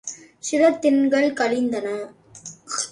சில திங்கள் கழிந்தன.